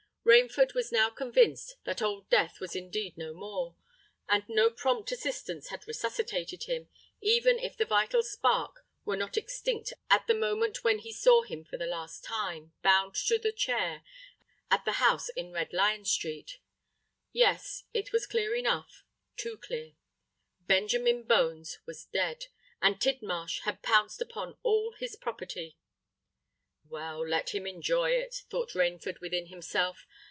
Rainford was now convinced that Old Death was indeed no more—that no prompt assistance had resuscitated him, even if the vital spark were not extinct at the moment when he saw him for the last time, bound to the chair, at the house in Red Lion Street. Yes—it was clear enough—too clear: Benjamin Bones was dead—and Tidmarsh had pounced upon all his property. "Well—let him enjoy it," thought Rainford within himself.